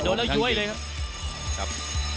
โดนแล้วย้วยเลยครับ